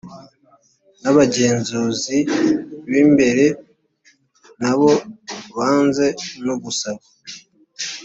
n abagenzuzi b imbere n abo hanze no gusaba